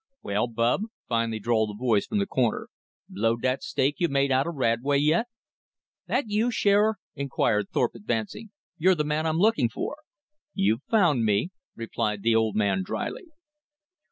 "Well, bub," finally drawled a voice from the corner, "blowed that stake you made out of Radway, yet?" "That you, Shearer?" inquired Thorpe advancing. "You're the man I'm looking for." "You've found me," replied the old man dryly.